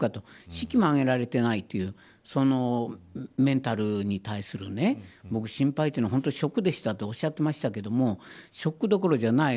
式も挙げられていないというメンタルに対するね心配というのは本当にショックでしたとおっしゃっていましたがショックどころじゃない。